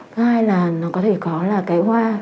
thứ hai là nó có thể có là cái hoa